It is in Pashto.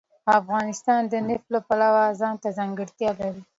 افغانستان د نفت د پلوه ځانته ځانګړتیا لري.